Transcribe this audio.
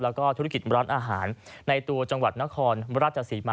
แล้วก็ธุรกิจร้านอาหารในตัวจังหวัดนครราชศรีมา